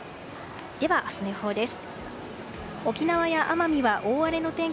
では明日の予報です。